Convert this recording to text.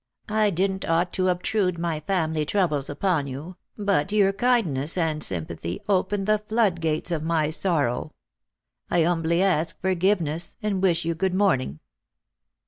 " I didn't ought to obtrude my family troubles upon you, but your kindness and sympathy opened tho floodgates of my sorrow. I 'umbly ask forgiveness, and wish you good morning."